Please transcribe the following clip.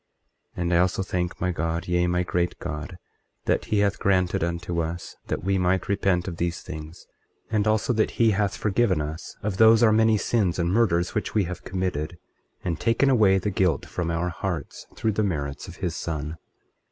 24:10 And I also thank my God, yea, my great God, that he hath granted unto us that we might repent of these things, and also that he hath forgiven us of those our many sins and murders which we have committed, and taken away the guilt from our hearts, through the merits of his Son.